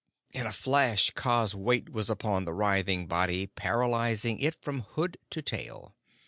In a flash, Kaa's weight was upon the writhing body, paralyzing it from hood to tail.